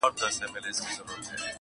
نجلۍ له غوجلې سره تړل کيږي تل,